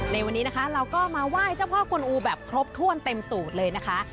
ในวันนี้นะคะเราก็มาไหว้เจ้าพ่อกวนอูแบบครบถ้วนเต็มสูตรเลยนะคะ